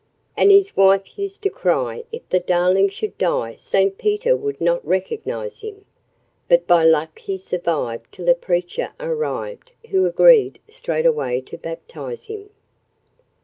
And his wife used to cry, 'If the darlin' should die Saint Peter would not recognise him.' But by luck he survived till a preacher arrived, Who agreed straightaway to baptise him.